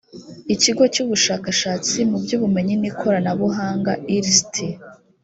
ikigo cy ubushakashatsi mu by ubumenyi n ikoranabuhanga irst